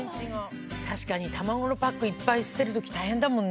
確かに卵のパックいっぱい捨てる時大変だもんね。